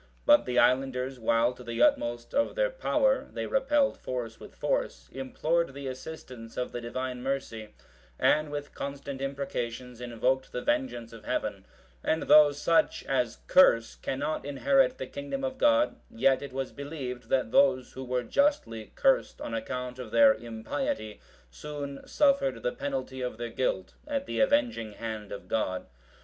But the islanders, while to the utmost of their power they repelled force with force, implored the assistance of the Divine mercy, and with constant imprecations invoked the vengeance of Heaven; and though such as curse cannot inherit the kingdom of God, yet it was believed, that those who were justly cursed on account of their impiety, soon suffered the penalty of their guilt at the avenging hand of God.